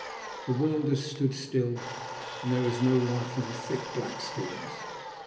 The world has stood still and there is no life in the thick, black stillness.